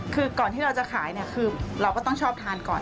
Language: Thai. คือก่อนที่เราจะขายเนี่ยคือเราก็ต้องชอบทานก่อน